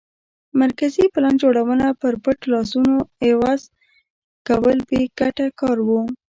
مرکزي پلان جوړونه پر پټ لاسونو عوض کول بې ګټه کار و